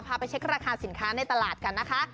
ไปเช็คราคาสินค้าในตลาดกันนะคะ